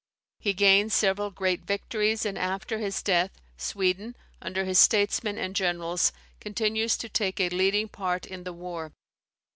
He gains several great victories, and, after his death, Sweden, under his statesmen and generals, continues to take a leading part in the war.